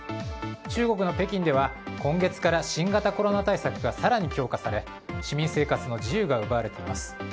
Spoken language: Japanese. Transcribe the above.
中国の北京では、今月から新型コロナ対策が更に強化され市民生活の自由が奪われています。